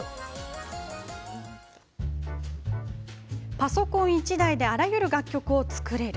パソコン１台であらゆる楽曲を作れる。